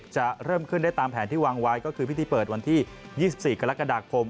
จะเริ่มขึ้นได้ตามแผนที่วางไว้ก็คือพิธีเปิดวันที่๒๔กรกฎาคม